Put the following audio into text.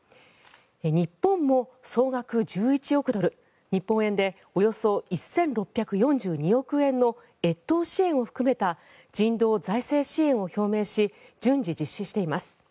日本も総額１１億ドル日本円でおよそ１６４２億円の越冬支援を含めた人道・財政支援を表明し順次実施しています。